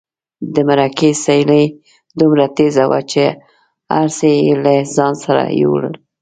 د مرګي سیلۍ دومره تېزه وه چې هر څه یې له ځان سره یوړل.